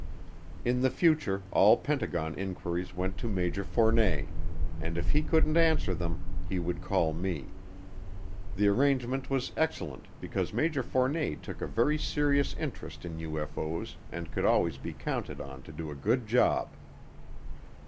In the future all Pentagon inquiries went to Major Fournet, and if he couldn't answer them he would call me. The arrangement was excellent because Major Fournet took a very serious interest in UFO's and could always be counted on to do a good job.